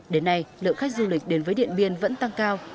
đến nay lượng khách du lịch đến với điện biên vẫn tăng cao